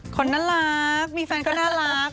คนน่ารักมีแฟนก็น่ารัก